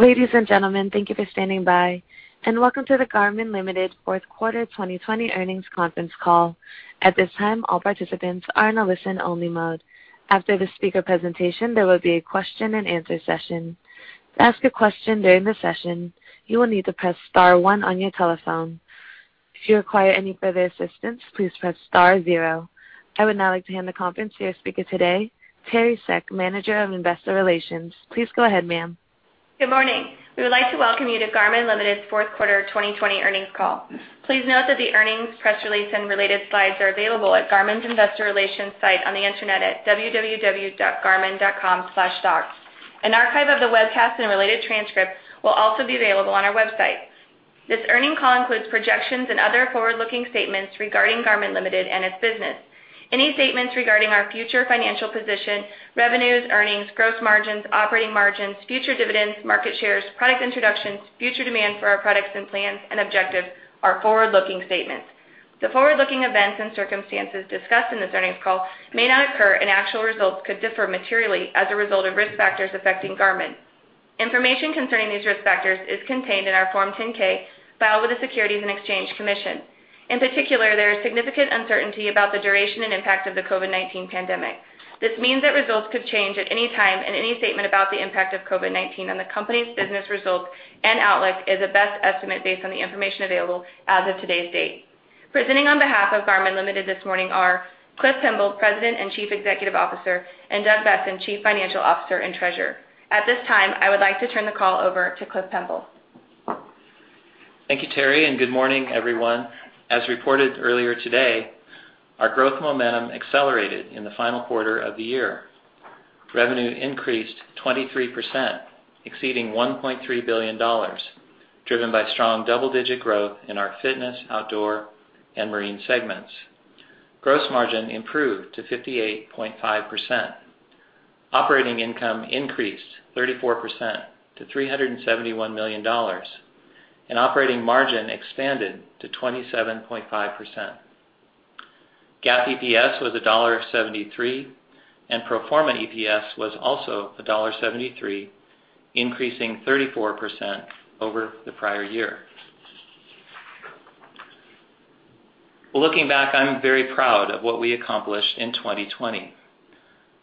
Ladies and gentlemen, thank you for standing by, and welcome to the Garmin Ltd. Fourth Quarter 2020 Earnings Conference Call. At this time, all participants are in a listen-only mode. After the speaker presentation, there will be a question-and-answer session. To ask a question during the session, you will need to press star one on your telephone. If you require any further assistance, please press star zero. I would now like to hand the conference to your speaker today, Teri Seck, Manager of Investor Relations. Please go ahead, ma'am. Good morning. We would like to welcome you to Garmin Ltd.'s Fourth Quarter 2020 earnings call. Please note that the earnings press release and related slides are available at Garmin's Investor Relations site on the internet at www.garmin.com/stocks. An archive of the webcast and related transcript will also be available on our website. This earnings call includes projections and other forward-looking statements regarding Garmin Ltd. and its business. Any statements regarding our future financial position, revenues, earnings, gross margins, operating margins, future dividends, market shares, product introductions, future demand for our products and plans, and objectives are forward-looking statements. The forward-looking events and circumstances discussed in this earnings call may not occur, and actual results could differ materially as a result of risk factors affecting Garmin. Information concerning these risk factors is contained in our Form 10-K filed with the Securities and Exchange Commission. In particular, there is significant uncertainty about the duration and impact of the COVID-19 pandemic. This means that results could change at any time, and any statement about the impact of COVID-19 on the company's business results and outlook is a best estimate based on the information available as of today's date. Presenting on behalf of Garmin Ltd. this morning are Cliff Pemble, President and Chief Executive Officer, and Doug Boessen, Chief Financial Officer and Treasurer. At this time, I would like to turn the call over to Cliff Pemble. Thank you, Teri, and good morning, everyone. As reported earlier today, our growth momentum accelerated in the final quarter of the year. Revenue increased 23%, exceeding $1.3 billion, driven by strong double-digit growth in our fitness, outdoor, and marine segments. Gross margin improved to 58.5%. Operating income increased 34% to $371 million, and operating margin expanded to 27.5%. GAAP EPS was $1.73, and pro forma EPS was also $1.73, increasing 34% over the prior year. Well, looking back, I'm very proud of what we accomplished in 2020.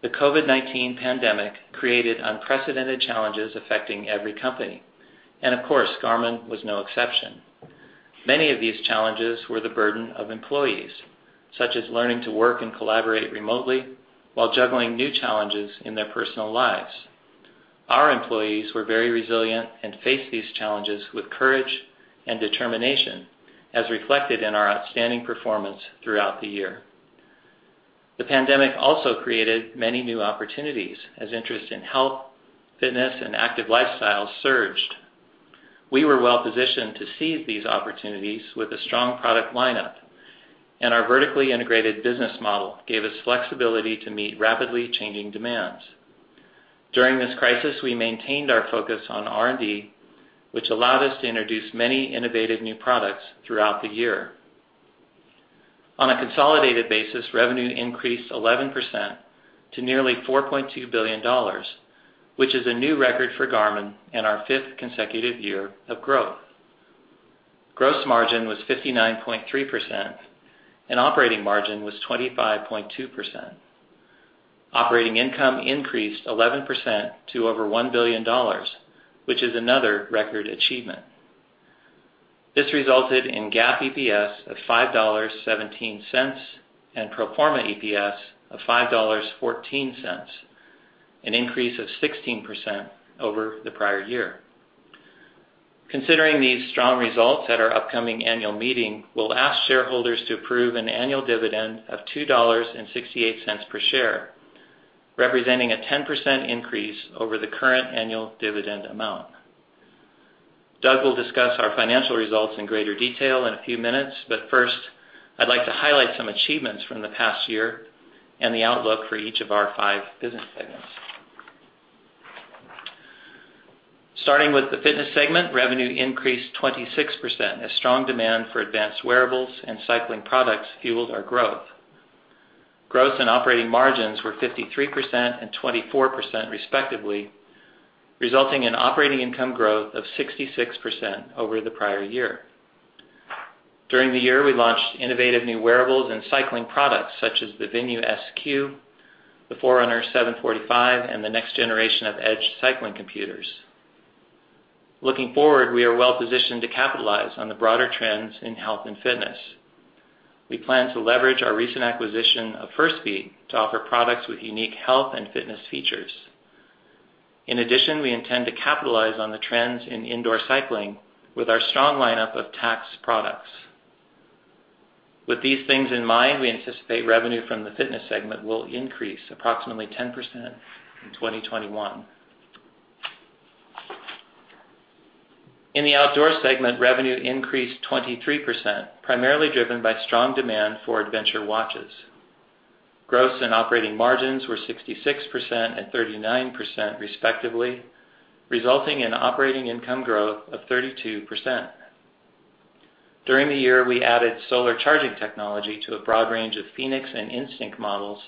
The COVID-19 pandemic created unprecedented challenges affecting every company, and of course, Garmin was no exception. Many of these challenges were the burden of employees, such as learning to work and collaborate remotely while juggling new challenges in their personal lives. Our employees were very resilient and faced these challenges with courage and determination, as reflected in our outstanding performance throughout the year. The pandemic also created many new opportunities as interest in health, fitness, and active lifestyles surged. We were well-positioned to seize these opportunities with a strong product lineup, and our vertically integrated business model gave us flexibility to meet rapidly changing demands. During this crisis, we maintained our focus on R&D, which allowed us to introduce many innovative new products throughout the year. On a consolidated basis, revenue increased 11% to nearly $4.2 billion, which is a new record for Garmin and our fifth consecutive year of growth. Gross margin was 59.3%, and operating margin was 25.2%. Operating income increased 11% to over $1 billion, which is another record achievement. This resulted in GAAP EPS of $5.17 and pro forma EPS of $5.14, an increase of 16% over the prior year. Considering these strong results, at our upcoming annual meeting, we'll ask shareholders to approve an annual dividend of $2.68 per share, representing a 10% increase over the current annual dividend amount. Doug will discuss our financial results in greater detail in a few minutes, but first, I'd like to highlight some achievements from the past year and the outlook for each of our five business segments. Starting with the fitness segment, revenue increased 26% as strong demand for advanced wearables and cycling products fueled our growth. Growth and operating margins were 53% and 24% respectively, resulting in operating income growth of 66% over the prior year. During the year, we launched innovative new wearables and cycling products, such as the Venu Sq, the Forerunner 745, and the next generation of Edge cycling computers. Looking forward, we are well-positioned to capitalize on the broader trends in health and fitness. We plan to leverage our recent acquisition of Firstbeat to offer products with unique health and fitness features. We intend to capitalize on the trends in indoor cycling with our strong lineup of Tacx products. With these things in mind, we anticipate revenue from the fitness segment will increase approximately 10% in 2021. The outdoor segment, revenue increased 23%, primarily driven by strong demand for adventure watches. Gross and operating margins were 66% and 39% respectively, resulting in operating income growth of 32%. During the year, we added solar charging technology to a broad range of fēnix and Instinct models,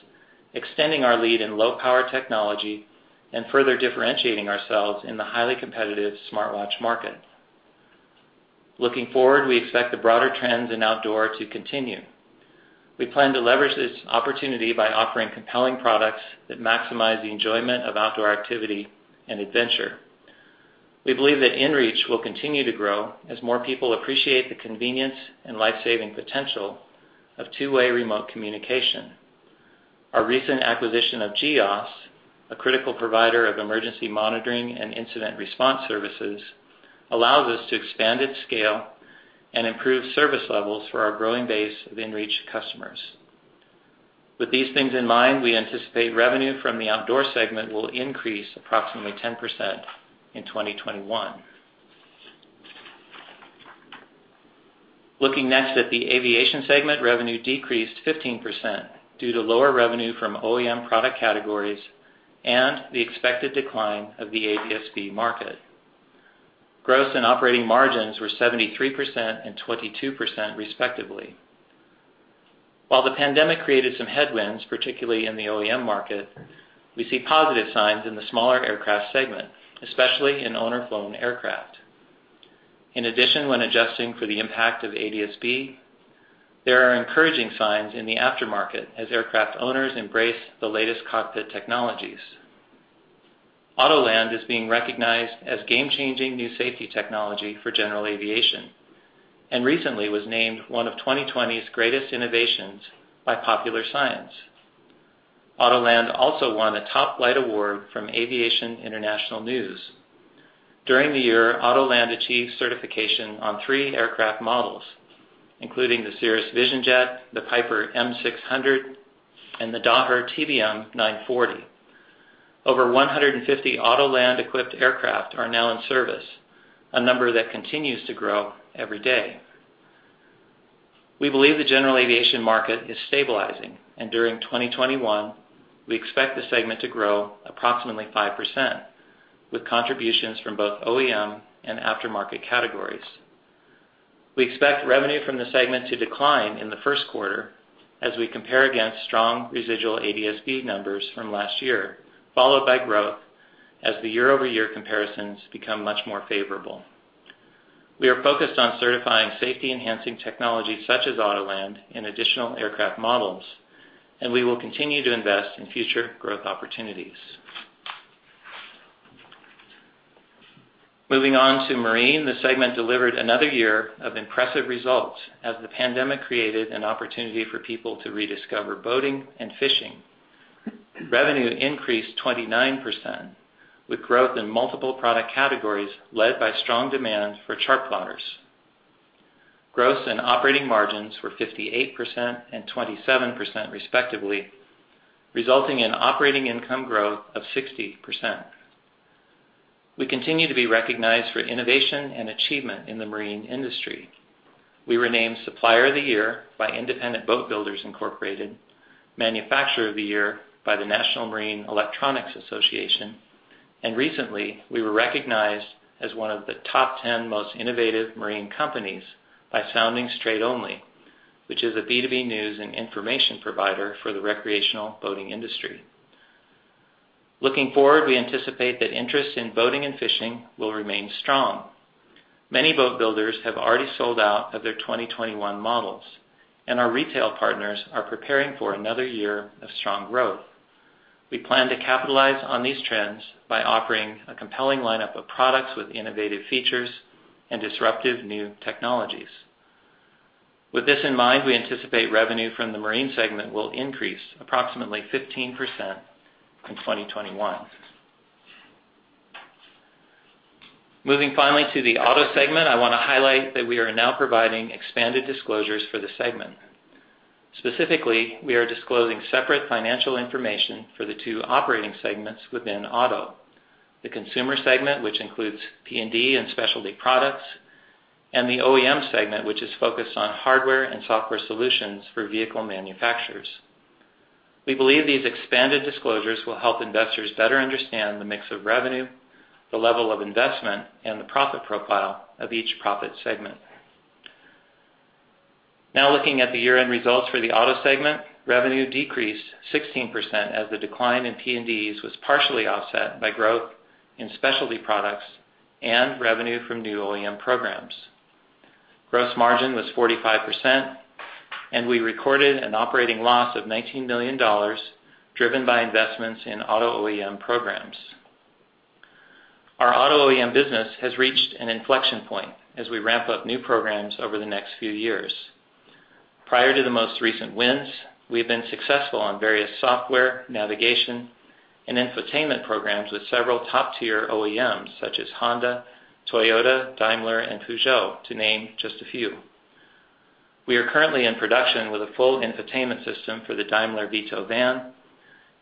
extending our lead in low power technology and further differentiating ourselves in the highly competitive smartwatch market. We expect the broader trends in outdoor to continue. We plan to leverage this opportunity by offering compelling products that maximize the enjoyment of outdoor activity and adventure. We believe that inReach will continue to grow as more people appreciate the convenience and life-saving potential of two-way remote communication. Our recent acquisition of GEOS, a critical provider of emergency monitoring and incident response services, allows us to expand its scale and improve service levels for our growing base of inReach customers. With these things in mind, we anticipate revenue from the outdoor segment will increase approximately 10% in 2021. Looking next at the aviation segment, revenue decreased 15% due to lower revenue from OEM product categories and the expected decline of the ADS-B market. Gross and operating margins were 73% and 22%, respectively. While the pandemic created some headwinds, particularly in the OEM market, we see positive signs in the smaller aircraft segment, especially in owner-flown aircraft. In addition, when adjusting for the impact of ADS-B, there are encouraging signs in the aftermarket as aircraft owners embrace the latest cockpit technologies. Autoland is being recognized as game-changing new safety technology for general aviation and recently was named one of 2020's greatest innovations by Popular Science. Autoland also won a Top Flight Award from Aviation International News. During the year, Autoland achieved certification on three aircraft models, including the Cirrus Vision Jet, the Piper M600, and the Daher TBM 940. Over 150 Autoland-equipped aircraft are now in service, a number that continues to grow every day. We believe the general aviation market is stabilizing, and during 2021, we expect the segment to grow approximately 5%, with contributions from both OEM and aftermarket categories. We expect revenue from the segment to decline in the first quarter as we compare against strong residual ADS-B numbers from last year, followed by growth as the year-over-year comparisons become much more favorable. We are focused on certifying safety-enhancing technologies such as Autoland in additional aircraft models, and we will continue to invest in future growth opportunities. Moving on to Marine, the segment delivered another year of impressive results as the pandemic created an opportunity for people to rediscover boating and fishing. Revenue increased 29%, with growth in multiple product categories led by strong demand for chartplotters. Gross and operating margins were 58% and 27%, respectively, resulting in operating income growth of 60%. We continue to be recognized for innovation and achievement in the Marine industry. We were named Supplier of the Year by Independent Boat Builders, Inc., Manufacturer of the Year by the National Marine Electronics Association. Recently, we were recognized as one of the top 10 most innovative marine companies by Soundings Trade Only, which is a B2B news and information provider for the recreational boating industry. Looking forward, we anticipate that interest in boating and fishing will remain strong. Many boat builders have already sold out of their 2021 models. Our retail partners are preparing for another year of strong growth. We plan to capitalize on these trends by offering a compelling lineup of products with innovative features and disruptive new technologies. With this in mind, we anticipate revenue from the Marine segment will increase approximately 15% in 2021. Moving finally to the Auto segment, I want to highlight that we are now providing expanded disclosures for the segment. Specifically, we are disclosing separate financial information for the two operating segments within Auto, the consumer segment, which includes PND and specialty products, and the OEM segment, which is focused on hardware and software solutions for vehicle manufacturers. We believe these expanded disclosures will help investors better understand the mix of revenue, the level of investment, and the profit profile of each profit segment. Now looking at the year-end results for the Auto segment, revenue decreased 16% as the decline in PNDs was partially offset by growth in specialty products and revenue from new OEM programs. Gross margin was 45%, and we recorded an operating loss of $19 million, driven by investments in Auto OEM programs. Our Auto OEM business has reached an inflection point as we ramp up new programs over the next few years. Prior to the most recent wins, we have been successful on various software, navigation, and infotainment programs with several top-tier OEMs such as Honda, Toyota, Daimler, and Peugeot, to name just a few. We are currently in production with a full infotainment system for the Daimler Vito van,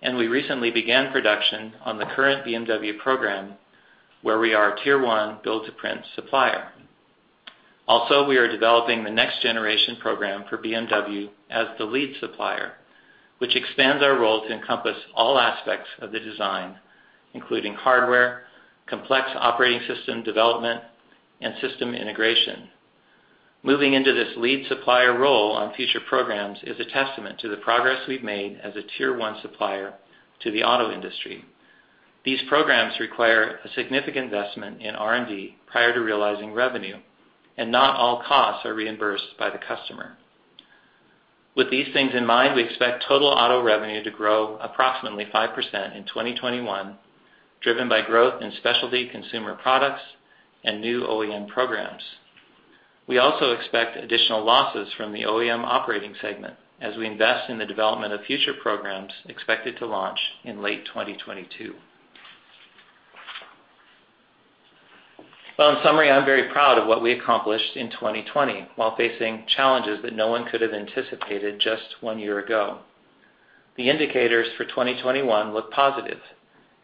and we recently began production on the current BMW program, where we are a tier 1 build-to-print supplier. We are developing the next-generation program for BMW as the lead supplier, which expands our role to encompass all aspects of the design, including hardware, complex operating system development, and system integration. Moving into this lead supplier role on future programs is a testament to the progress we've made as a tier 1 supplier to the auto industry. These programs require a significant investment in R&D prior to realizing revenue, and not all costs are reimbursed by the customer. With these things in mind, we expect total auto revenue to grow approximately 5% in 2021, driven by growth in specialty consumer products and new OEM programs. We also expect additional losses from the OEM operating segment as we invest in the development of future programs expected to launch in late 2022. In summary, I'm very proud of what we accomplished in 2020 while facing challenges that no one could have anticipated just one year ago. The indicators for 2021 look positive,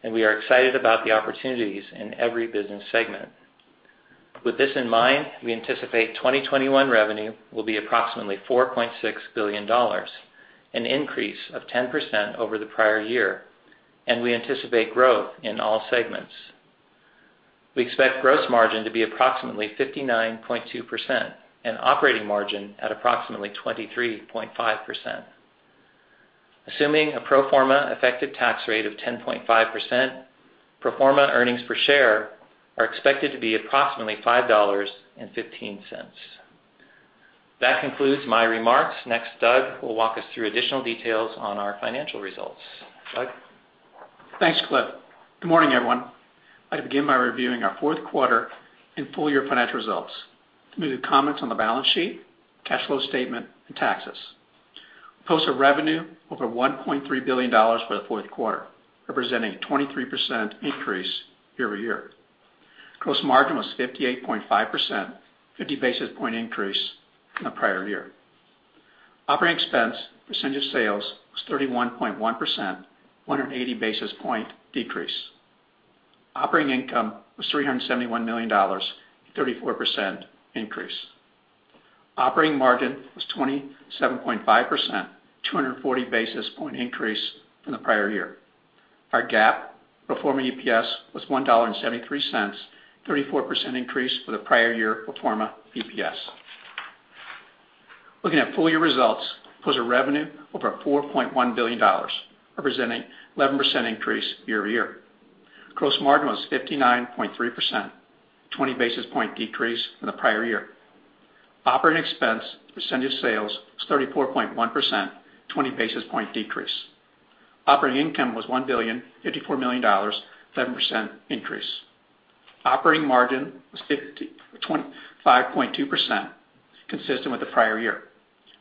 and we are excited about the opportunities in every business segment. With this in mind, we anticipate 2021 revenue will be approximately $4.6 billion, an increase of 10% over the prior year, and we anticipate growth in all segments. We expect gross margin to be approximately 59.2% and operating margin at approximately 23.5%. Assuming a pro forma effective tax rate of 10.5%, pro forma earnings per share are expected to be approximately $5.15. That concludes my remarks. Next, Doug will walk us through additional details on our financial results. Doug? Thanks, Cliff. Good morning, everyone. I'd begin by reviewing our fourth quarter and full-year financial results. I'll be commenting on the balance sheet, cash flow statement, and taxes. We posted revenue over $1.3 billion for the fourth quarter, representing a 23% increase year-over-year. Gross margin was 58.5%, a 50-basis-point increase from the prior year. Operating expense percentage sales was 31.1%, a 180-basis-point decrease. Operating income was $371 million, a 34% increase. Operating margin was 27.5%, a 240-basis-point increase from the prior year. Our GAAP pro forma EPS was $1.73, a 34% increase for the prior year pro forma EPS. Looking at full-year results, posted revenue over $4.1 billion, representing 11% increase year-over-year. Gross margin was 59.3%, a 20-basis-point decrease from the prior year. Operating expense percentage of sales was 34.1%, a 20-basis-point decrease. Operating income was $1.054 billion, a 11% increase. Operating margin was 25.2%, consistent with the prior year.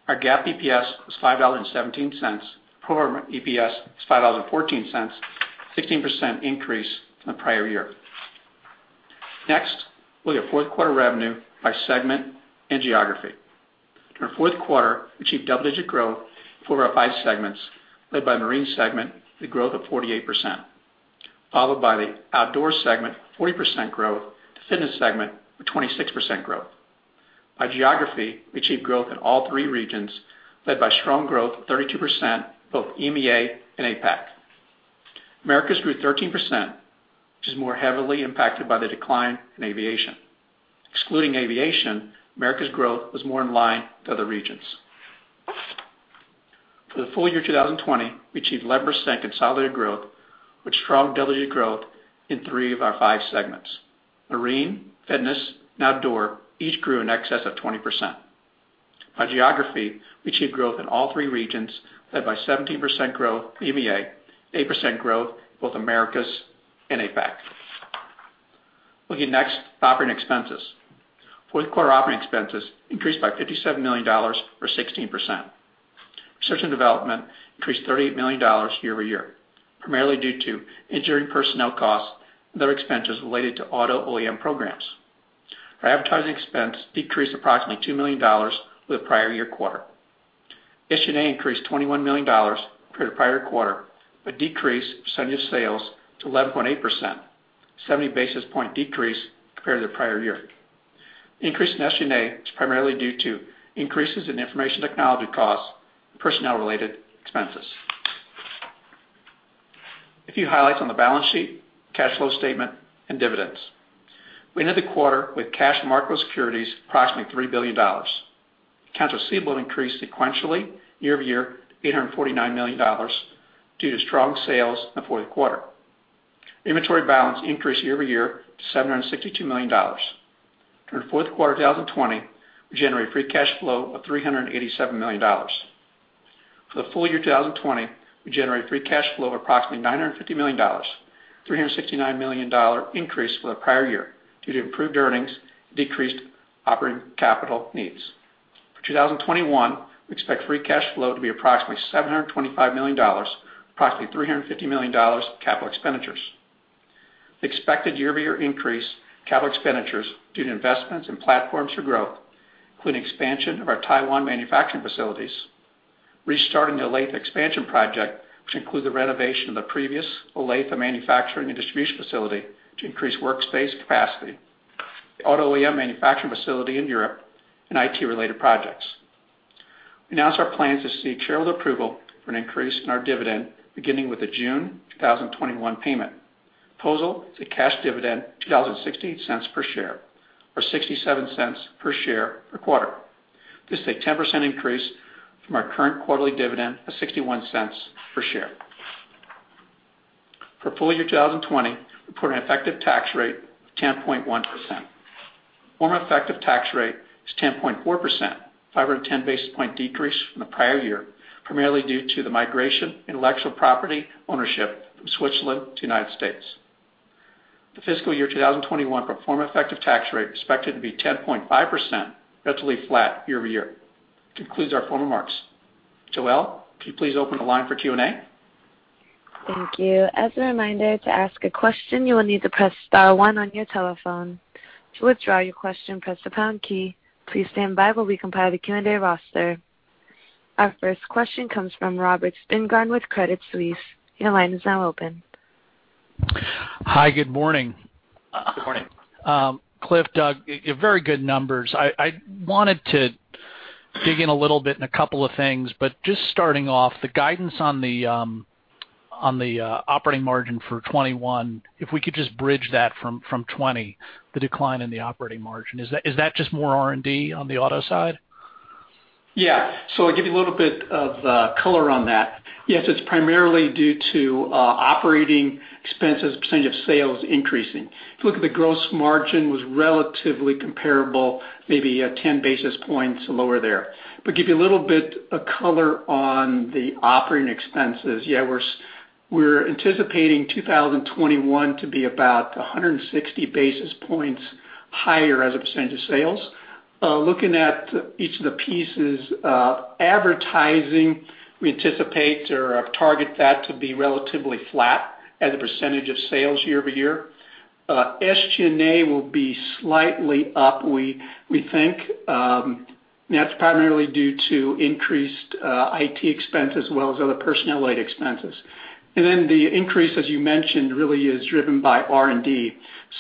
Our GAAP EPS was $5.17. Pro forma EPS was $5.14, a 16% increase from the prior year. Looking at fourth quarter revenue by segment and geography. In our fourth quarter, we achieved double-digit growth in four of our five segments, led by Marine segment with growth of 48%, followed by the Outdoor segment, 40% growth, the Fitness segment with 26% growth. By geography, we achieved growth in all three regions, led by strong growth of 32% in both EMEA and APAC. Americas grew 13%, which is more heavily impacted by the decline in aviation. Excluding aviation, Americas growth was more in line with other regions. For the full-year 2020, we achieved 11% consolidated growth with strong double-digit growth in three of our five segments. Marine, Fitness, and Outdoor each grew in excess of 20%. By geography, we achieved growth in all three regions, led by 17% growth in EMEA, 8% growth in both Americas and APAC. Looking next at operating expenses. Fourth quarter operating expenses increased by $57 million or 16%. Research and development increased $38 million year-over-year, primarily due to engineering personnel costs and other expenses related to auto OEM programs. Our advertising expense decreased approximately $2 million for the prior-year quarter. SG&A increased $21 million compared to the prior quarter, but decreased percentage sales to 11.8%, a 70-basis-point decrease compared to the prior-year. The increase in SG&A is primarily due to increases in information technology costs and personnel-related expenses. A few highlights on the balance sheet, cash flow statement, and dividends. We ended the quarter with cash and marketable securities approximately $3 billion. Accounts receivable increased sequentially year-over-year to $849 million due to strong sales in the fourth quarter. The inventory balance increased year-over-year to $762 million. During the fourth quarter 2020, we generated free cash flow of $387 million. For the full-year 2020, we generated free cash flow of approximately $950 million, a $369 million increase for the prior year due to improved earnings and decreased operating capital needs. For 2021, we expect free cash flow to be approximately $725 million, approximately $350 million in capital expenditures. The expected year-over-year increase in capital expenditures is due to investments in platforms for growth, including expansion of our Taiwan manufacturing facilities, restarting the Olathe expansion project, which includes the renovation of the previous Olathe manufacturing and distribution facility to increase workspace capacity The auto OEM manufacturing facility in Europe and IT related projects. We announced our plans to seek shareholder approval for an increase in our dividend beginning with the June 2021 payment. Proposal is a cash dividend $2.68 per share or 67 cents per share per quarter. This is a 10% increase from our current quarterly dividend of 61 cents per share. For full-year 2020, we put an effective tax rate of 10.1%. Pro forma effective tax rate is 10.4%, 5 or 10 basis point decrease from the prior year, primarily due to the migration intellectual property ownership from Switzerland to the United States. The fiscal year 2021 pro forma effective tax rate expected to be 10.5%, relatively flat year-over-year. Concludes our formal remarks. Joelle, could you please open the line for Q&A? Thank you. As a reminder, to ask a question, you will need to press star one on your telephone. To withdraw your question, press the pound key. Please stand by while we compile the Q&A roster. Our first question comes from Robert Spingarn with Credit Suisse. Your line is now open. Hi, good morning. Good morning. Cliff, Doug, very good numbers. I wanted to dig in a little bit in a couple of things, but just starting off the guidance on the operating margin for 2021, if we could just bridge that from 2020, the decline in the operating margin. Is that just more R&D on the auto side? I'll give you a little bit of color on that. Yes, it's primarily due to operating expenses, percentage of sales increasing. If you look at the gross margin was relatively comparable, maybe 10 basis points lower there. Give you a little bit of color on the operating expenses. We're anticipating 2021 to be about 160 basis points higher as a percentage of sales. Looking at each of the pieces of advertising, we anticipate or target that to be relatively flat as a percentage of sales year over year. SG&A will be slightly up, we think. That's primarily due to increased IT expense as well as other personnel-related expenses. The increase, as you mentioned, really is driven by R&D.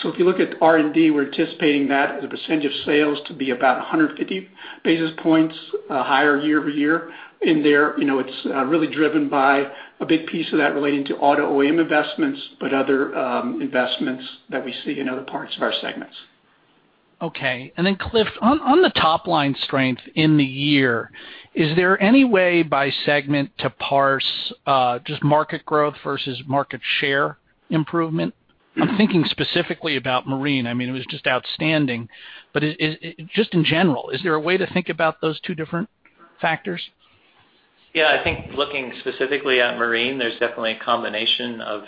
If you look at R&D, we're anticipating that as a percentage of sales to be about 150 basis points higher year over year. There, it's really driven by a big piece of that relating to auto OEM investments, but other investments that we see in other parts of our segments. Okay. Cliff, on the top line strength in the year, is there any way by segment to parse just market growth versus market share improvement? I'm thinking specifically about marine. It was just outstanding. just in general, is there a way to think about those two different factors? Yeah, I think looking specifically at marine, there's definitely a combination of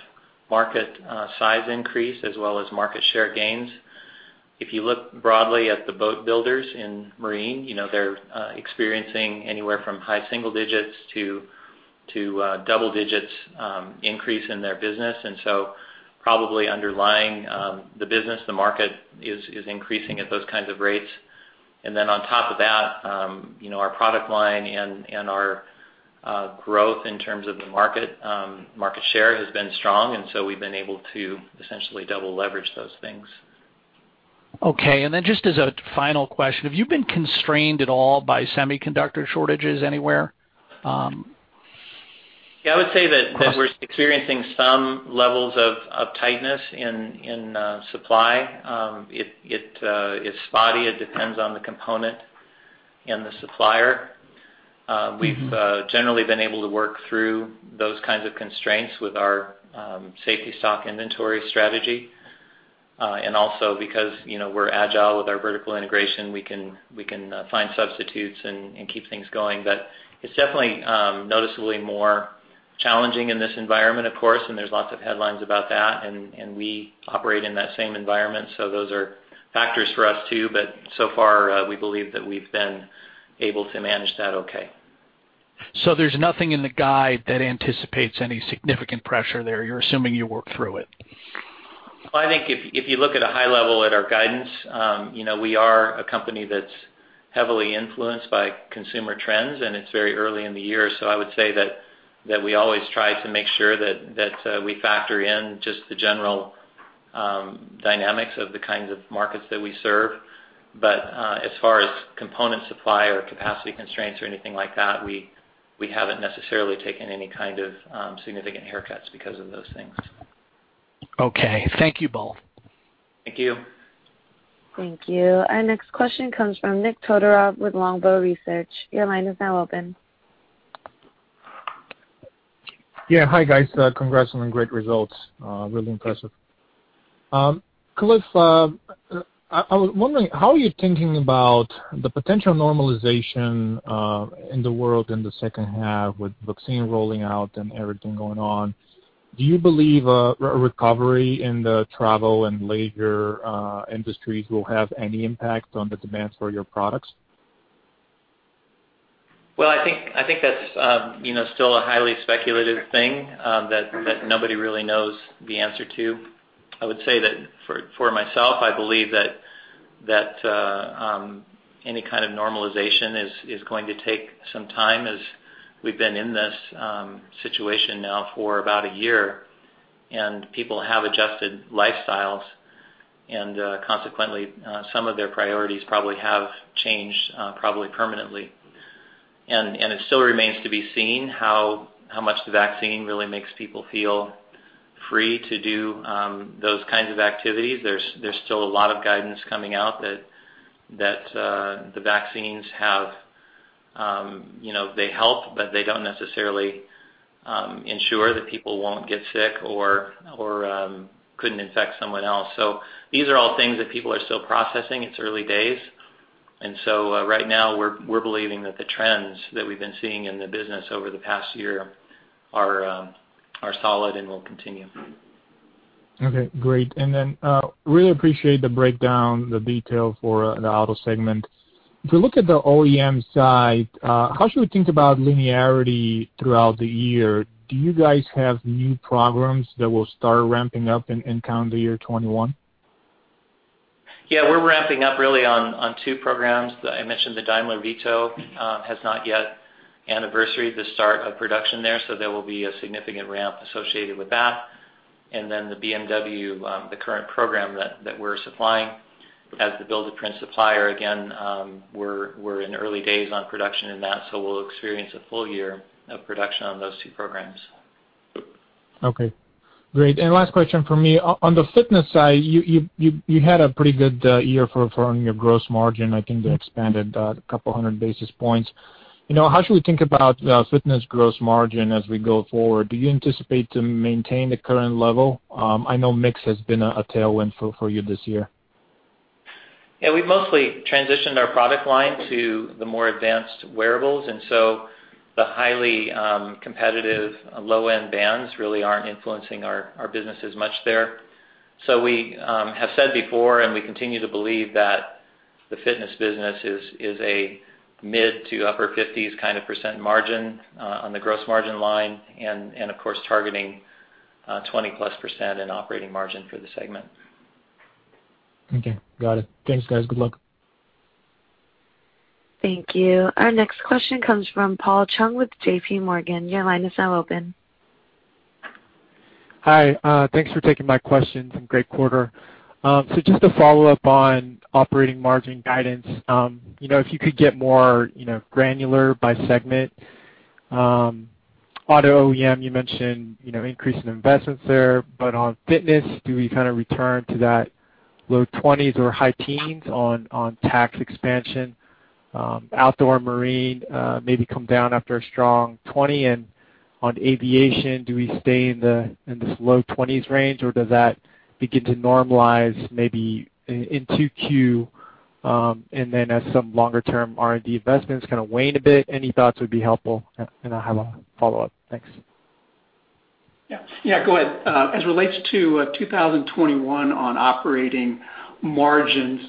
market size increase as well as market share gains. If you look broadly at the boat builders in marine, they're experiencing anywhere from high single digits to double digits increase in their business. Probably underlying the business, the market is increasing at those kinds of rates. On top of that, our product line and our growth in terms of the market share has been strong, and so we've been able to essentially double leverage those things. Okay. just as a final question, have you been constrained at all by semiconductor shortages anywhere? Yeah, I would say that we're experiencing some levels of tightness in supply. It's spotty. It depends on the component and the supplier. We've generally been able to work through those kinds of constraints with our safety stock inventory strategy. Also because we're agile with our vertical integration, we can find substitutes and keep things going. It's definitely noticeably more challenging in this environment, of course, and there's lots of headlines about that, and we operate in that same environment. Those are factors for us too. So far, we believe that we've been able to manage that okay. There's nothing in the guide that anticipates any significant pressure there. You're assuming you work through it. Well, I think if you look at a high level at our guidance, we are a company that's heavily influenced by consumer trends, and it's very early in the year. I would say that we always try to make sure that we factor in just the general dynamics of the kinds of markets that we serve. As far as component supply or capacity constraints or anything like that, we haven't necessarily taken any kind of significant haircuts because of those things. Okay. Thank you both. Thank you. Thank you. Our next question comes from Nikolay Todorov with Longbow Research. Your line is now open. Yeah. Hi, guys. Congrats on the great results. Really impressive. Cliff, I was wondering, how are you thinking about the potential normalization in the world in the second half with vaccine rolling out and everything going on? Do you believe a recovery in the travel and leisure industries will have any impact on the demands for your products? Well, I think that's still a highly speculative thing that nobody really knows the answer to. I would say that for myself, I believe that any kind of normalization is going to take some time as we've been in this situation now for about a year people have adjusted lifestyles, and consequently, some of their priorities probably have changed, probably permanently. It still remains to be seen how much the vaccine really makes people feel free to do those kinds of activities. There's still a lot of guidance coming out that the vaccines help, but they don't necessarily ensure that people won't get sick or couldn't infect someone else. These are all things that people are still processing. It's early days, and so right now we're believing that the trends that we've been seeing in the business over the past year are solid and will continue. Okay, great. really appreciate the breakdown, the detail for the auto segment. If you look at the OEM side, how should we think about linearity throughout the year? Do you guys have new programs that will start ramping up in calendar year 2021? Yeah, we're ramping up really on two programs. I mentioned the Daimler Vito has not yet anniversaried the start of production there, so there will be a significant ramp associated with that. The BMW, the current program that we're supplying as the build-to-print supplier, again, we're in early days on production in that, so we'll experience a full-year of production on those two programs. Okay, great. Last question from me. On the fitness side, you had a pretty good year for earning your gross margin. I think it expanded a couple of hundred basis points. How should we think about fitness gross margin as we go forward? Do you anticipate to maintain the current level? I know mix has been a tailwind for you this year. Yeah. We've mostly transitioned our product line to the more advanced wearables, and so the highly competitive low-end bands really aren't influencing our business as much there. We have said before, and we continue to believe that the fitness business is a mid to upper 50s kind of % margin on the gross margin line. Of course, targeting 20%+ in operating margin for the segment. Okay, got it. Thanks, guys. Good luck. Thank you. Our next question comes from Paul Chung with JPMorgan. Your line is now open. Hi, thanks for taking my question, and great quarter. Just a follow-up on operating margin guidance. If you could get more granular by segment. Auto OEM, you mentioned increasing investments there, but on fitness, do we kind of return to that low 20s or high teens on Tacx expansion? Outdoor marine maybe come down after a strong 2020. On aviation, do we stay in this low 20s range, or does that begin to normalize maybe in 2Q, and then as some longer-term R&D investments kind of wane a bit? Any thoughts would be helpful, and I have a follow-up. Thanks. Yeah, go ahead. As relates to 2021 on operating margins,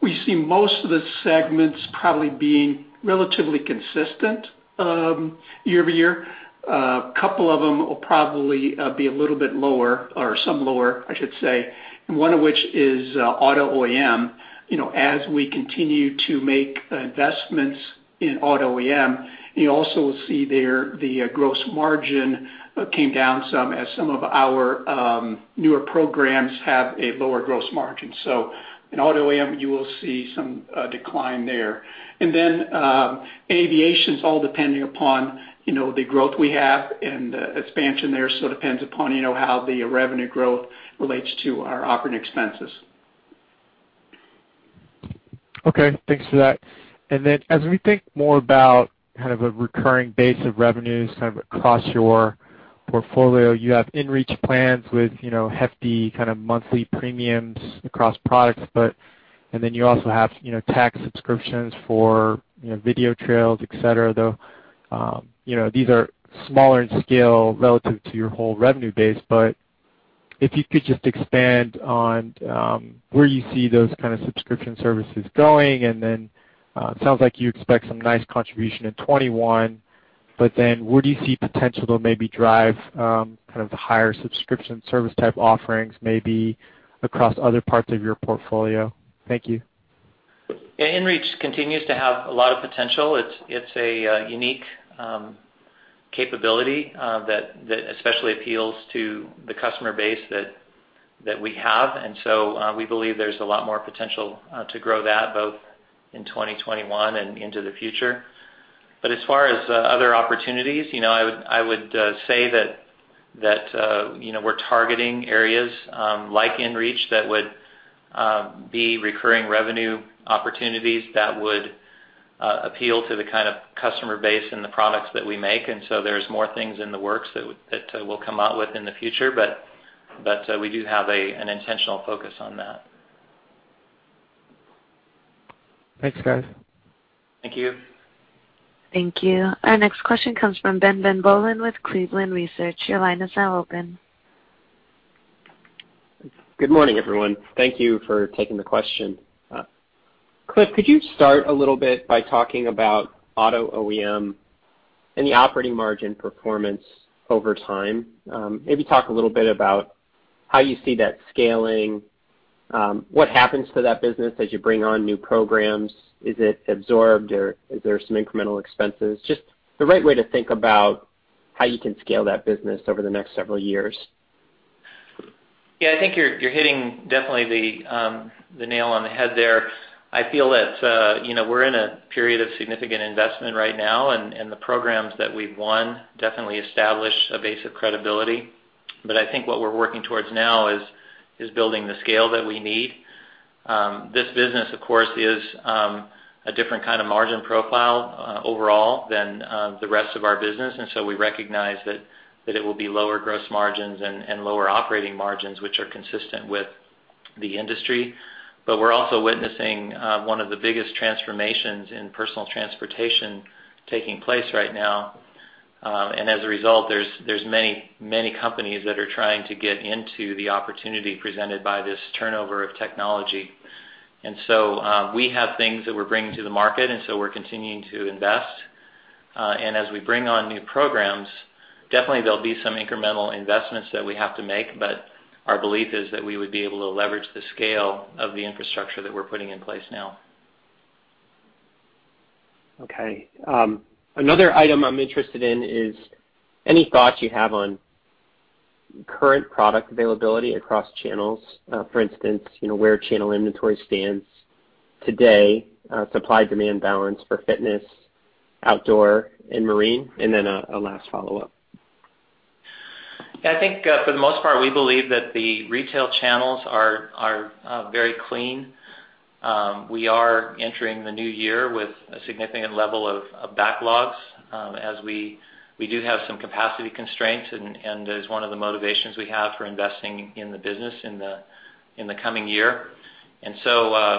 we see most of the segments probably being relatively consistent year-over-year. A couple of them will probably be a little bit lower, or some lower, I should say, one of which is auto OEM. As we continue to make investments in auto OEM, you also will see there the gross margin came down some as some of our newer programs have a lower gross margin. In auto OEM, you will see some decline there. Aviation's all depending upon the growth we have and expansion there, so depends upon how the revenue growth relates to our operating expenses. Okay, thanks for that. As we think more about kind of a recurring base of revenues kind of across your portfolio, you have inReach plans with hefty kind of monthly premiums across products, and then you also have Tacx subscriptions for video trails, et cetera. These are smaller in scale relative to your whole revenue base, but if you could just expand on where you see those kind of subscription services going. It sounds like you expect some nice contribution in 2021, but then where do you see potential to maybe drive kind of the higher subscription service type offerings, maybe across other parts of your portfolio? Thank you. Yeah, inReach continues to have a lot of potential. It's a unique capability that especially appeals to the customer base that we have, and so we believe there's a lot more potential to grow that both in 2021 and into the future. As far as other opportunities, I would say that we're targeting areas like inReach that would be recurring revenue opportunities that would appeal to the kind of customer base and the products that we make. There's more things in the works that we'll come out with in the future, but we do have an intentional focus on that. Thanks, guys. Thank you. Thank you. Our next question comes from Ben Bollin with Cleveland Research. Your line is now open. Good morning, everyone. Thank you for taking the question. Cliff, could you start a little bit by talking about auto OEM and the operating margin performance over time? Maybe talk a little bit about how you see that scaling. What happens to that business as you bring on new programs? Is it absorbed, or are there some incremental expenses? Just the right way to think about how you can scale that business over the next several years. Yeah, I think you're hitting definitely the nail on the head there. I feel that we're in a period of significant investment right now, and the programs that we've won definitely establish a base of credibility. I think what we're working towards now is building the scale that we need. This business, of course, is a different kind of margin profile overall than the rest of our business, and so we recognize that it will be lower gross margins and lower operating margins, which are consistent with the industry. We're also witnessing one of the biggest transformations in personal transportation taking place right now. As a result, there's many companies that are trying to get into the opportunity presented by this turnover of technology. We have things that we're bringing to the market, and so we're continuing to invest. As we bring on new programs, definitely there'll be some incremental investments that we have to make, but our belief is that we would be able to leverage the scale of the infrastructure that we're putting in place now. Okay. Another item I'm interested in is any thoughts you have on current product availability across channels. For instance, where channel inventory stands today, supply-demand balance for fitness, outdoor, and marine. a last follow-up. Yeah, I think for the most part, we believe that the retail channels are very clean. We are entering the new year with a significant level of backlogs as we do have some capacity constraints and as one of the motivations we have for investing in the business in the coming year.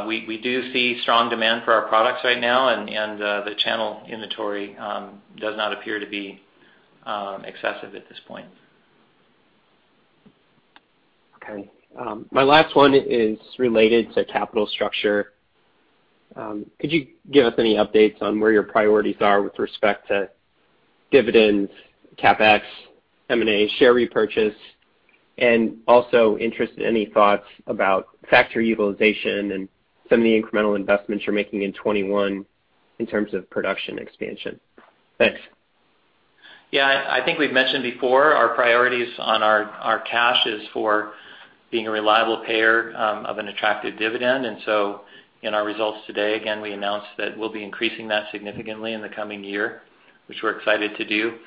we do see strong demand for our products right now, and the channel inventory does not appear to be excessive at this point. Okay. My last one is related to capital structure. Could you give us any updates on where your priorities are with respect to dividends, CapEx, M&A, share repurchase? Also interested in any thoughts about factory utilization and some of the incremental investments you're making in 2021 in terms of production expansion. Thanks. Yeah, I think we've mentioned before our priorities on our cash is for being a reliable payer of an attractive dividend. In our results today, again, we announced that we'll be increasing that significantly in the coming year, which we're excited to do.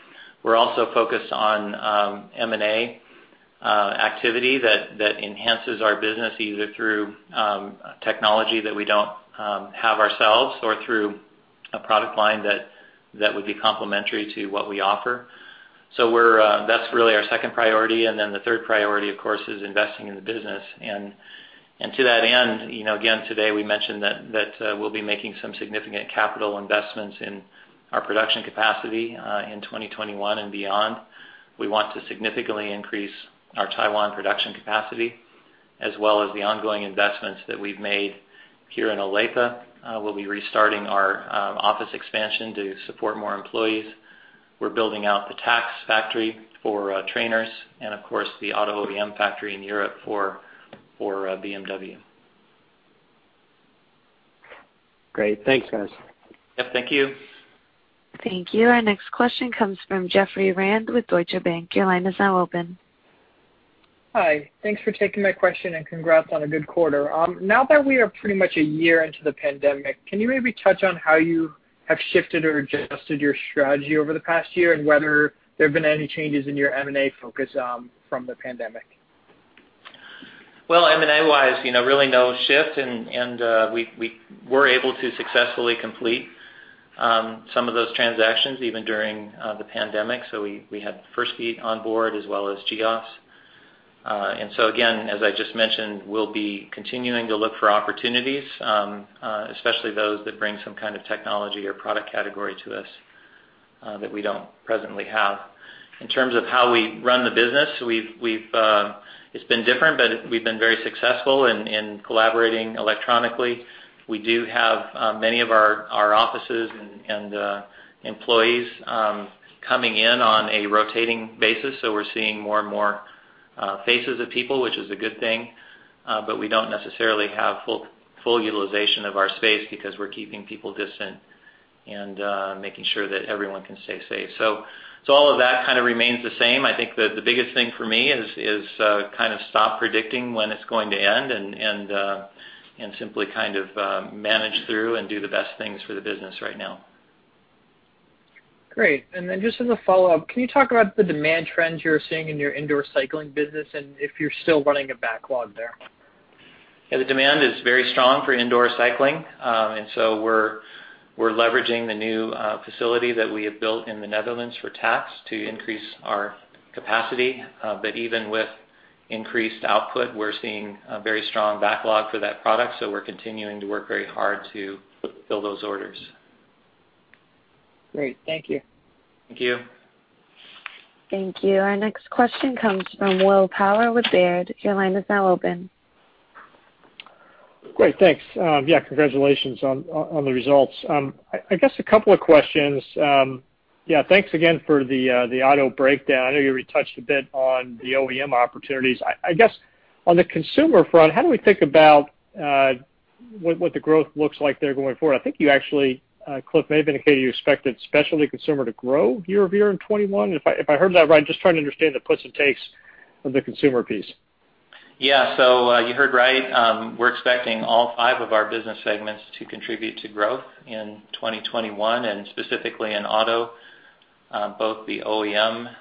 We're also focused on M&A activity that enhances our business, either through technology that we don't have ourselves or through a product line that would be complementary to what we offer. That's really our second priority. The third priority, of course, is investing in the business. To that end, again, today, we mentioned that we'll be making some significant capital investments in our production capacity in 2021 and beyond. We want to significantly increase our Taiwan production capacity as well as the ongoing investments that we've made here in Olathe. We'll be restarting our office expansion to support more employees. We're building out the Tacx factory for trainers and, of course, the auto OEM factory in Europe for BMW. Great. Thanks, guys. Yep, thank you. Thank you. Our next question comes from Jeffrey Rand with Deutsche Bank. Your line is now open. Hi. Thanks for taking my question, and congrats on a good quarter. Now that we are pretty much a year into the pandemic, can you maybe touch on how you have shifted or adjusted your strategy over the past year and whether there have been any changes in your M&A focus from the pandemic? Well, M&A-wise, really no shift, and we were able to successfully complete some of those transactions even during the pandemic. We had Firstbeat on board as well as GEOS. Again, as I just mentioned, we'll be continuing to look for opportunities, especially those that bring some kind of technology or product category to us that we don't presently have. In terms of how we run the business, it's been different, but we've been very successful in collaborating electronically. We do have many of our offices and employees coming in on a rotating basis, so we're seeing more and more faces of people, which is a good thing. We don't necessarily have full utilization of our space because we're keeping people distant and making sure that everyone can stay safe. All of that kind of remains the same. I think the biggest thing for me is kind of stop predicting when it's going to end and simply kind of manage through and do the best things for the business right now. Great. Just as a follow-up, can you talk about the demand trends you're seeing in your indoor cycling business and if you're still running a backlog there? Yeah, the demand is very strong for indoor cycling, and so we're leveraging the new facility that we have built in the Netherlands for Tacx to increase our capacity. Even with increased output, we're seeing a very strong backlog for that product. We're continuing to work very hard to fill those orders. Great. Thank you. Thank you. Thank you. Our next question comes from Will Power with Baird. Your line is now open. Great. Thanks. Yeah, congratulations on the results. I guess a couple of questions. Yeah, thanks again for the auto breakdown. I know you already touched a bit on the OEM opportunities. I guess on the consumer front, how do we think about what the growth looks like there going forward? I think you actually, Cliff, may have indicated you expected specialty consumer to grow year-over-year in 2021. If I heard that right, just trying to understand the puts and takes of the consumer piece. Yeah. You heard right. We're expecting all five of our business segments to contribute to growth in 2021, and specifically in Auto, both the OEM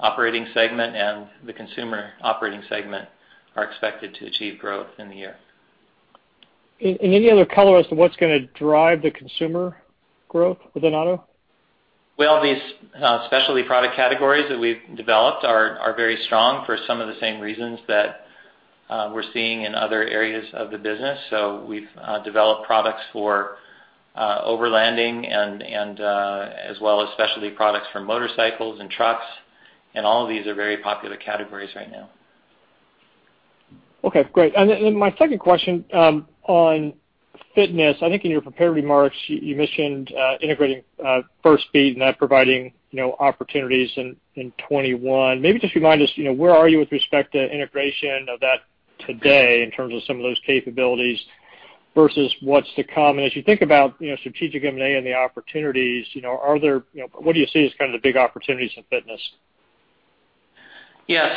operating segment and the consumer operating segment are expected to achieve growth in the year. Any other color as to what's going to drive the consumer growth within auto? Well, these specialty product categories that we've developed are very strong for some of the same reasons that we're seeing in other areas of the business. we've developed products for overlanding, as well as specialty products for motorcycles and trucks. all of these are very popular categories right now. Okay, great. My second question, on fitness, I think in your prepared remarks, you mentioned integrating Firstbeat and that providing opportunities in 2021. Maybe just remind us, where are you with respect to integration of that today in terms of some of those capabilities versus what's to come? As you think about strategic M&A and the opportunities, what do you see as kind of the big opportunities in fitness? Yeah.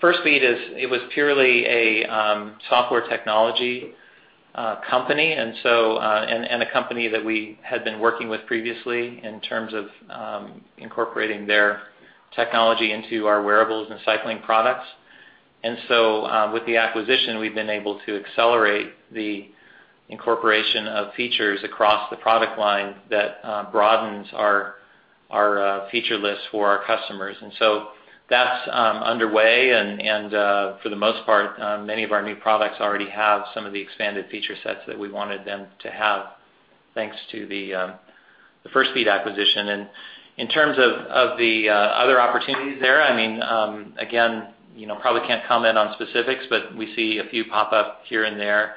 Firstbeat, it was purely a software technology company, and a company that we had been working with previously in terms of incorporating their technology into our wearables and cycling products. With the acquisition, we've been able to accelerate the incorporation of features across the product line that broadens our feature list for our customers. That's underway and, for the most part, many of our new products already have some of the expanded feature sets that we wanted them to have, thanks to the Firstbeat acquisition. In terms of the other opportunities there, again, probably can't comment on specifics, but we see a few pop up here and there.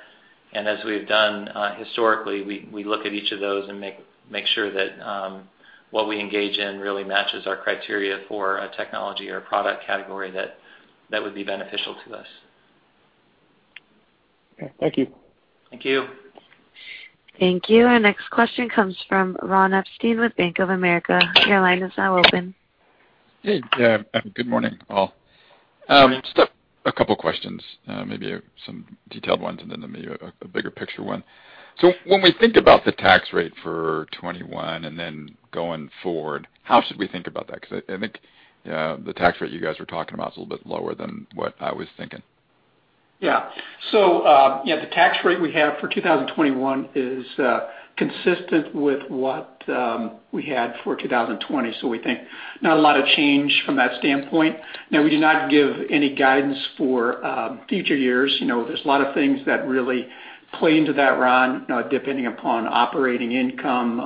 As we've done historically, we look at each of those and make sure that what we engage in really matches our criteria for a technology or product category that would be beneficial to us. Okay. Thank you. Thank you. Thank you. Our next question comes from Ron Epstein with Bank of America. Your line is now open. Hey. Good morning, all. Just a couple questions, maybe some detailed ones, and then maybe a bigger picture one. When we think about the tax rate for 2021 and then going forward, how should we think about that? Because I think the tax rate you guys were talking about is a little bit lower than what I was thinking. Yeah. The tax rate we have for 2021 is consistent with what we had for 2020. We think not a lot of change from that standpoint. Now we do not give any guidance for future years. There's a lot of things that really play into that, Ron, depending upon operating income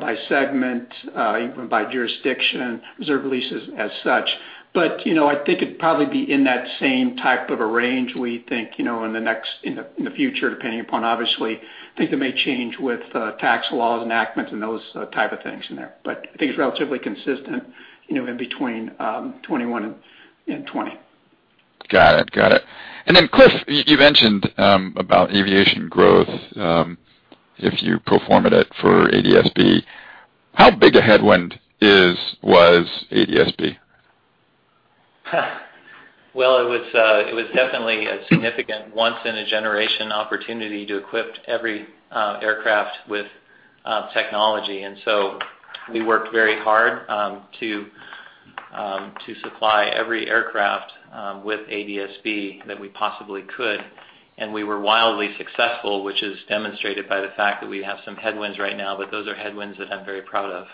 by segment, even by jurisdiction, reserve releases as such. I think it'd probably be in that same type of a range, we think, in the future, depending upon, obviously, things that may change with tax laws, enactments, and those type of things in there. I think it's relatively consistent, in between 2021 and 2020. Got it. Cliff, you mentioned about aviation growth, if you pro forma it for ADS-B. How big a headwind was ADS-B? Well, it was definitely a significant once-in-a-generation opportunity to equip every aircraft with technology. We worked very hard to supply every aircraft with ADS-B that we possibly could, and we were wildly successful, which is demonstrated by the fact that we have some headwinds right now. Those are headwinds that I'm very proud of.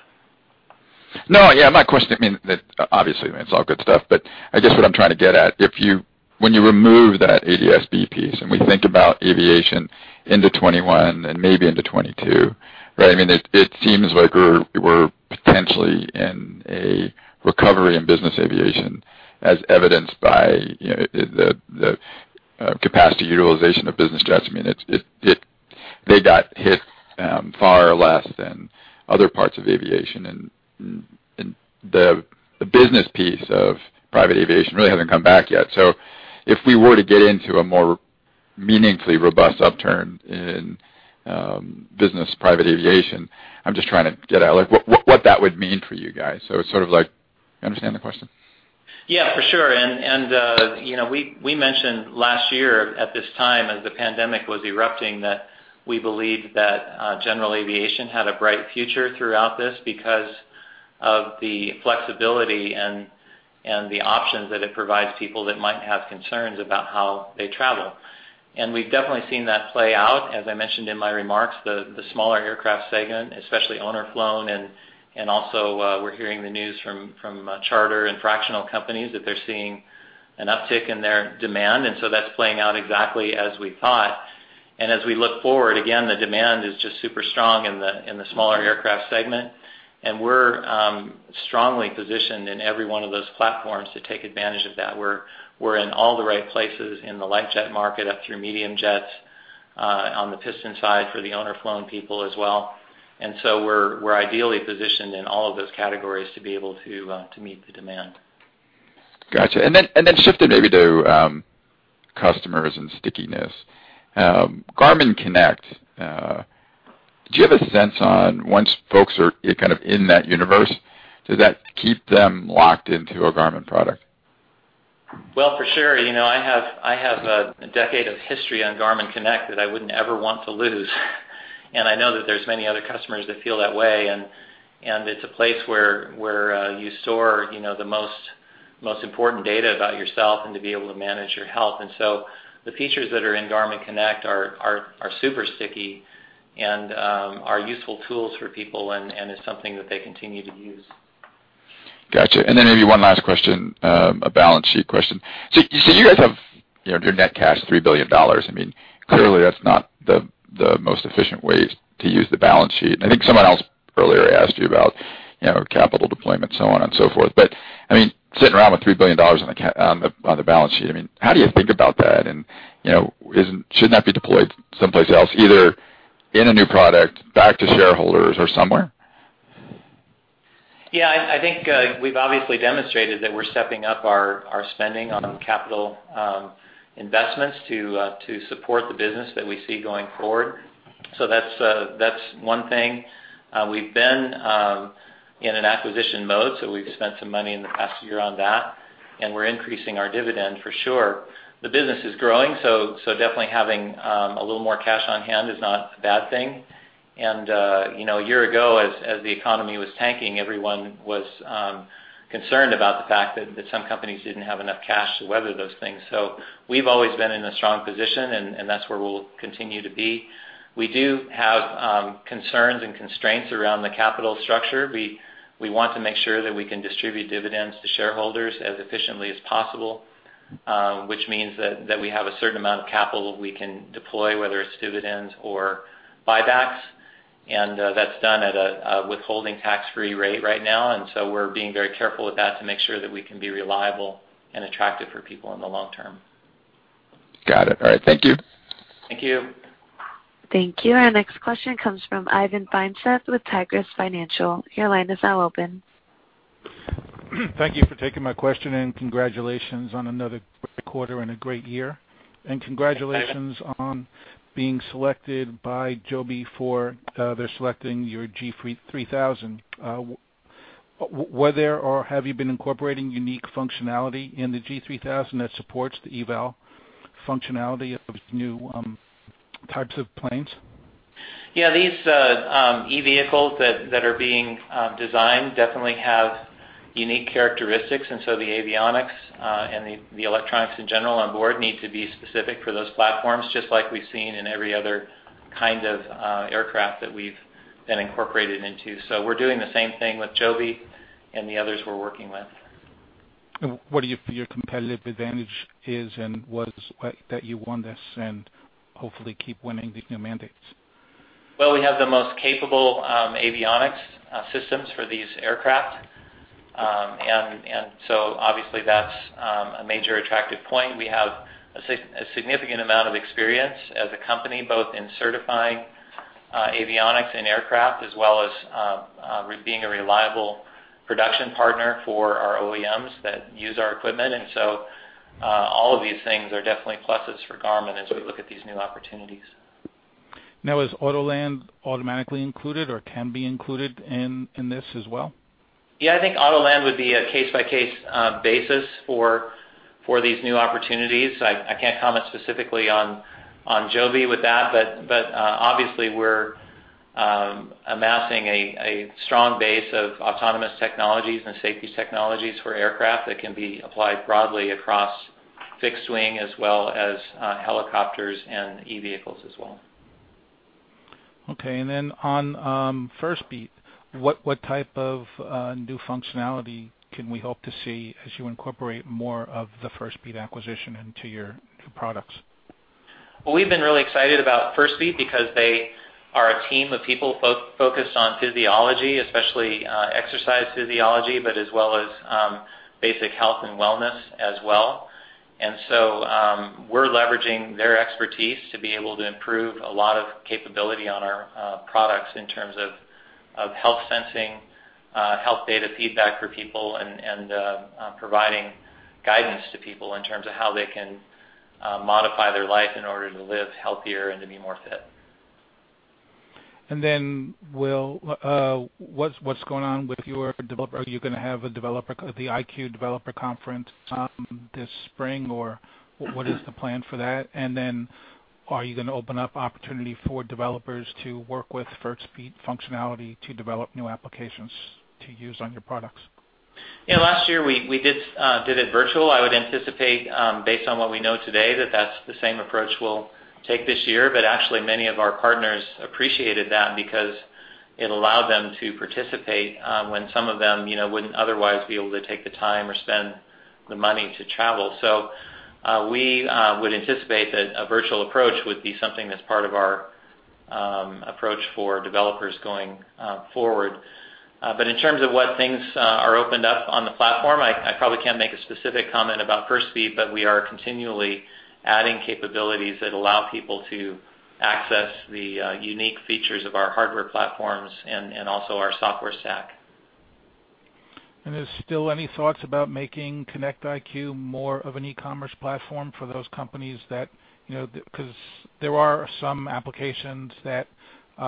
No. Yeah, my question, obviously, it's all good stuff, but I guess what I'm trying to get at, when you remove that ADS-B piece, and we think about aviation into 2021 and maybe into 2022, it seems like we're potentially in a recovery in business aviation, as evidenced by the capacity utilization of business jets. They got hit far less than other parts of aviation, and the business piece of private aviation really hasn't come back yet. If we were to get into a more meaningfully robust upturn in business private aviation, I'm just trying to get at what that would mean for you guys. It's sort of like, you understand the question? Yeah, for sure. We mentioned last year at this time as the pandemic was erupting, that we believed that general aviation had a bright future throughout this because of the flexibility and the options that it provides people that might have concerns about how they travel. We've definitely seen that play out. As I mentioned in my remarks, the smaller aircraft segment, especially owner-flown, and also we're hearing the news from charter and fractional companies that they're seeing an uptick in their demand. That's playing out exactly as we thought. As we look forward, again, the demand is just super strong in the smaller aircraft segment. We're strongly positioned in every one of those platforms to take advantage of that. We're in all the right places in the light jet market, up through medium jets, on the piston side for the owner-flown people as well. We're ideally positioned in all of those categories to be able to meet the demand. Got you. Shifting maybe to customers and stickiness. Garmin Connect, do you have a sense on once folks are kind of in that universe, does that keep them locked into a Garmin product? Well, for sure. I have a decade of history on Garmin Connect that I wouldn't ever want to lose. I know that there's many other customers that feel that way, and it's a place where you store the most important data about yourself and to be able to manage your health. The features that are in Garmin Connect are super sticky and are useful tools for people, and it's something that they continue to use. Got you. Maybe one last question, a balance sheet question. You guys have your net cash, $3 billion. Clearly that's not the most efficient way to use the balance sheet. I think someone else earlier asked you about capital deployment, so on and so forth. Sitting around with $3 billion on the balance sheet, how do you think about that? Should not be deployed someplace else, either in a new product, back to shareholders or somewhere? Yeah. I think we've obviously demonstrated that we're stepping up our spending on capital investments to support the business that we see going forward. That's one thing. We've been in an acquisition mode, so we've spent some money in the past year on that, and we're increasing our dividend for sure. The business is growing, so definitely having a little more cash on hand is not a bad thing. A year ago, as the economy was tanking, everyone was concerned about the fact that some companies didn't have enough cash to weather those things. We've always been in a strong position, and that's where we'll continue to be. We do have certain constraints around the capital structure. We want to make sure that we can distribute dividends to shareholders as efficiently as possible, which means that we have a certain amount of capital we can deploy, whether it's dividends or buybacks. that's done at a withholding tax-free rate right now, and so we're being very careful with that to make sure that we can be reliable and attractive for people in the long term. Got it. All right. Thank you. Thank you. Thank you. Our next question comes from Ivan Feinseth with Tigress Financial. Your line is now open. Thank you for taking my question, and congratulations on another great quarter and a great year. congratulations- Thanks, Ivan On being selected by Joby, they're selecting your G3000. Were there or have you been incorporating unique functionality in the G3000 that supports the eVTOL functionality of new types of planes? Yeah. These eVTOLs that are being designed definitely have unique characteristics, and so the avionics, and the electronics in general on board, need to be specific for those platforms, just like we've seen in every other kind of aircraft that we've been incorporated into. We're doing the same thing with Joby and the others we're working with. What do you feel your competitive advantage is, and what is it that you won this and hopefully keep winning these new mandates? Well, we have the most capable avionics systems for these aircraft. Obviously, that's a major attractive point. We have a significant amount of experience as a company, both in certifying avionics and aircraft, as well as being a reliable production partner for our OEMs that use our equipment. All of these things are definitely pluses for Garmin as we look at these new opportunities. Is Autoland automatically included or can be included in this as well? Yeah, I think Autoland would be a case-by-case basis for these new opportunities. I can't comment specifically on Joby with that, but obviously we're amassing a strong base of autonomous technologies and safety technologies for aircraft that can be applied broadly across fixed wing as well as helicopters and e-vehicles as well. Okay, on Firstbeat, what type of new functionality can we hope to see as you incorporate more of the Firstbeat acquisition into your new products? Well, we've been really excited about Firstbeat because they are a team of people focused on physiology, especially exercise physiology, but as well as basic health and wellness as well. We're leveraging their expertise to be able to improve a lot of capability on our products in terms of health sensing, health data feedback for people, and providing guidance to people in terms of how they can modify their life in order to live healthier and to be more fit. What's going on with your developer? Are you going to have the IQ Developer Conference this spring, or what is the plan for that? Are you going to open up opportunity for developers to work with Firstbeat functionality to develop new applications to use on your products? Yeah. Last year, we did it virtual. I would anticipate, based on what we know today, that that's the same approach we'll take this year. Actually, many of our partners appreciated that because it allowed them to participate, when some of them wouldn't otherwise be able to take the time or spend the money to travel. We would anticipate that a virtual approach would be something that's part of our approach for developers going forward. In terms of what things are opened up on the platform, I probably can't make a specific comment about Firstbeat, but we are continually adding capabilities that allow people to access the unique features of our hardware platforms and also our software stack. there's still any thoughts about making Connect IQ more of an e-commerce platform for those companies that. Because there are some applications that a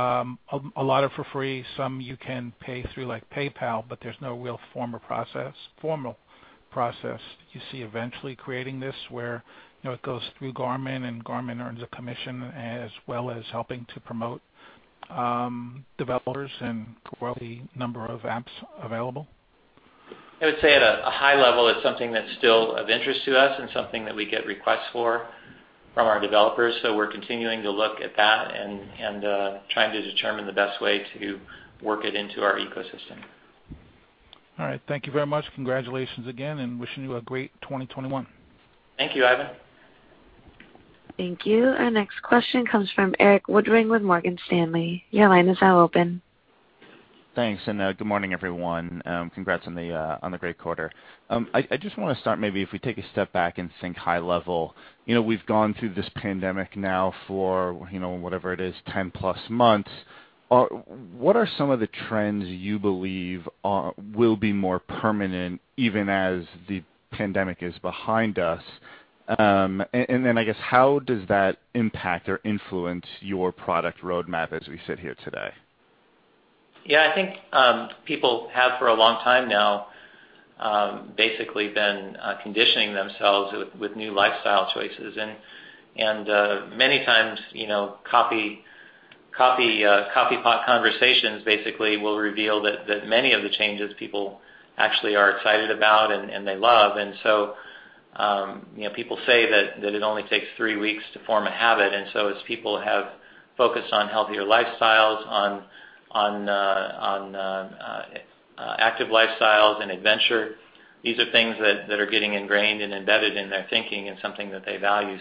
lot are for free, some you can pay through PayPal, but there's no real formal process. Do you see eventually creating this where, it goes through Garmin, and Garmin earns a commission, as well as helping to promote developers and grow the number of apps available? I would say at a high level, it's something that's still of interest to us and something that we get requests for from our developers. We're continuing to look at that and trying to determine the best way to work it into our ecosystem. All right. Thank you very much. Congratulations again, and wishing you a great 2021. Thank you, Ivan. Thank you. Our next question comes from Erik Woodring with Morgan Stanley. Your line is now open. Thanks, and good morning, everyone. Congrats on the great quarter. I just want to start maybe if we take a step back and think high level. We've gone through this pandemic now for whatever it is, 10 plus months. What are some of the trends you believe will be more permanent even as the pandemic is behind us? I guess, how does that impact or influence your product roadmap as we sit here today? Yeah, I think people have, for a long time now, basically been conditioning themselves with new lifestyle choices. Many times coffee pot conversations basically will reveal that many of the changes people actually are excited about and they love. People say that it only takes three weeks to form a habit. As people have focused on healthier lifestyles, on active lifestyles and adventure, these are things that are getting ingrained and embedded in their thinking and something that they value.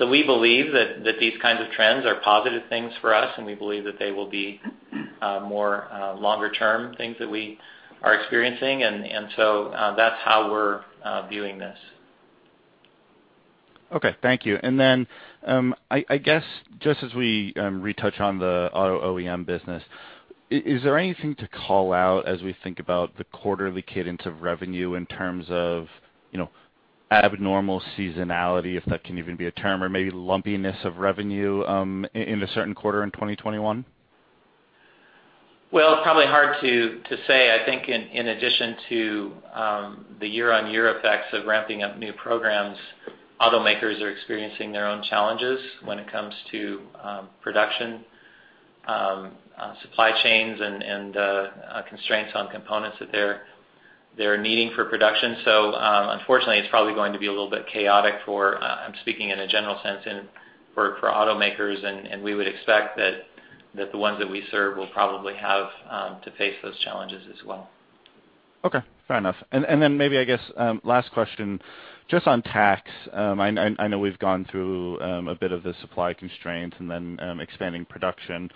We believe that these kinds of trends are positive things for us, and we believe that they will be more longer-term things that we are experiencing. That's how we're viewing this. Okay, thank you. I guess, just as we retouch on the auto OEM business, is there anything to call out as we think about the quarterly cadence of revenue in terms of abnormal seasonality, if that can even be a term, or maybe lumpiness of revenue in a certain quarter in 2021? Well, it's probably hard to say. I think in addition to the year-on-year effects of ramping up new programs, automakers are experiencing their own challenges when it comes to production, supply chains, and constraints on components that they're needing for production. unfortunately, it's probably going to be a little bit chaotic for, I'm speaking in a general sense, automakers, and we would expect that the ones that we serve will probably have to face those challenges as well. Okay. Fair enough. maybe, I guess, last question. Just on Tacx, I know we've gone through a bit of the supply constraints and then expanding production.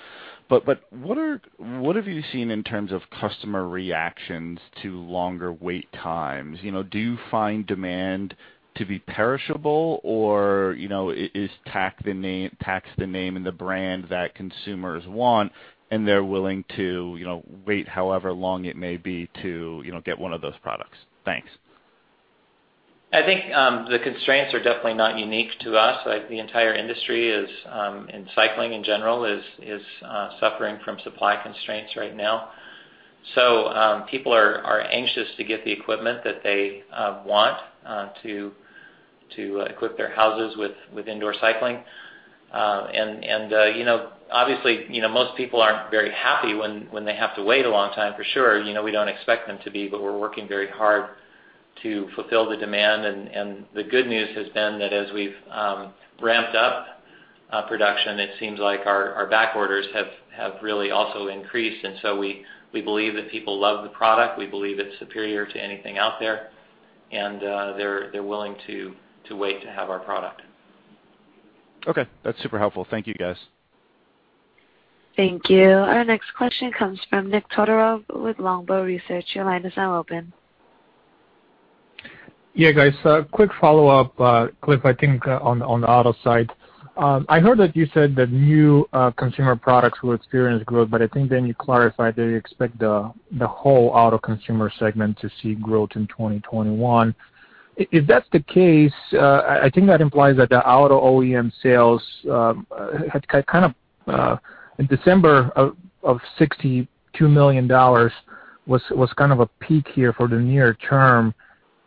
what have you seen in terms of customer reactions to longer wait times? Do you find demand to be perishable, or is Tacx the name and the brand that consumers want, and they're willing to wait however long it may be to get one of those products? Thanks. I think the constraints are definitely not unique to us. The entire industry and cycling, in general, is suffering from supply constraints right now. People are anxious to get the equipment that they want to equip their houses with indoor cycling. Obviously, most people aren't very happy when they have to wait a long time for sure. We don't expect them to be, but we're working very hard to fulfill the demand. The good news has been that as we've ramped up production, it seems like our back orders have really also increased, and so we believe that people love the product. We believe it's superior to anything out there. They're willing to wait to have our product. Okay. That's super helpful. Thank you, guys. Thank you. Our next question comes from Nikolay Todorov with Longbow Research. Your line is now open. Yeah, guys. Quick follow-up, Cliff, I think on the auto side. I heard that you said that new consumer products will experience growth, but I think then you clarified that you expect the whole auto consumer segment to see growth in 2021. If that's the case, I think that implies that the auto OEM sales had kind of in December of $62 million was kind of a peak here for the near term.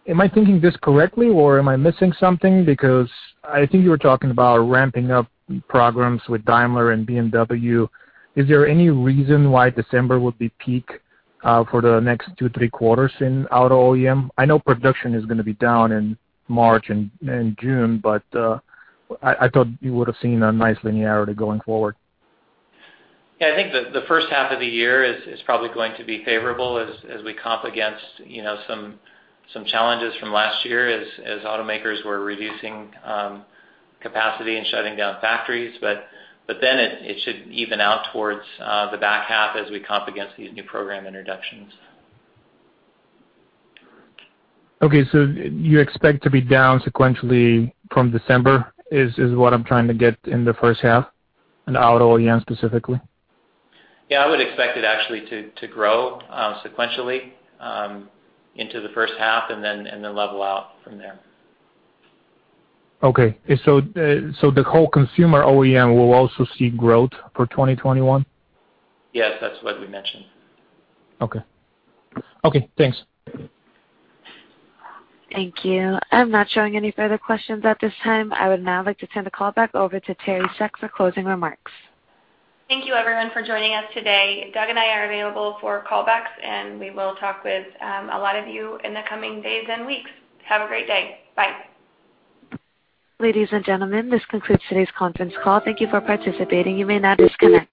Am I thinking this correctly, or am I missing something? Because I think you were talking about ramping up programs with Daimler and BMW. Is there any reason why December would be peak for the next two, three quarters in auto OEM? I know production is going to be down in March and June, but I thought you would've seen a nice linearity going forward. Yeah, I think the first half of the year is probably going to be favorable as we comp against some challenges from last year as automakers were reducing capacity and shutting down factories. It should even out towards the back half as we comp against these new program introductions. Okay. you expect to be down sequentially from December, is what I'm trying to get in the first half in auto OEM specifically? Yeah, I would expect it actually to grow sequentially into the first half and then level out from there. Okay. The whole consumer OEM will also see growth for 2021? Yes. That's what we mentioned. Okay. Thanks. Thank you. I'm not showing any further questions at this time. I would now like to turn the call back over to Teri Seck for closing remarks. Thank you, everyone, for joining us today. Doug and I are available for callbacks, and we will talk with a lot of you in the coming days and weeks. Have a great day. Bye. Ladies and gentlemen, this concludes today's conference call. Thank you for participating. You may now disconnect.